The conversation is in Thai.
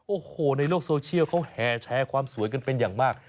โอ้โหในโลกโซเชียลเขาแห่แชร์ความสวยกันเป็นอย่างมาก